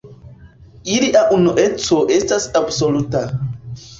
Ilia unueco estas absoluta.